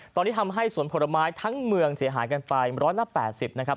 ตอนนี้ทำให้สวนผลไม้ทั้งเมืองเสียหายกันไป๑๘๐นะครับ